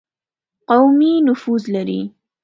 قومي نفوذ لري.